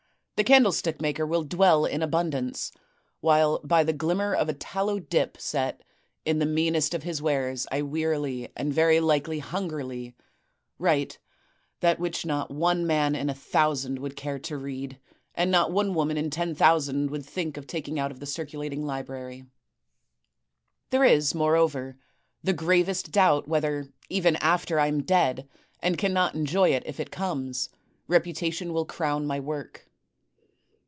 The candlestick maker will dwell in abimdance, while by the glimmer of a tallow dip set in the meanest of his wares I wearily and very likely hungrily write that which not one man in a thousand would care to read, and not one woman in ten thousand would think of taking out of the circulating library. There is, moreover, the gravest doubt whether, even after I am dead and cannot enjoy it if it comes, reputation will crown my work.